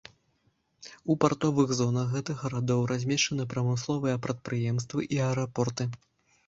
У партовых зонах гэтых гарадоў размешчаны прамысловыя прадпрыемствы і аэрапорты.